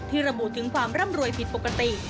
ระบุถึงความร่ำรวยผิดปกติ